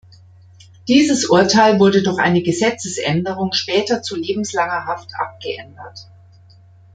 Dieses Urteil wurde durch eine Gesetzesänderung später zu lebenslanger Haft abgeändert.